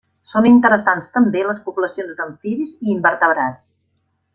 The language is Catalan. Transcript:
Són interessants també les poblacions d'amfibis i invertebrats.